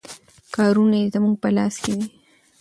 کارونه یې زموږ په لاس کې دي.